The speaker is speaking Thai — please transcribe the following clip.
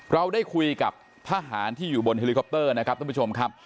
เราได้คุยกับทหารที่อยู่บนเฮลิคอปเตอร์นะครับท่านผู้ชมครับ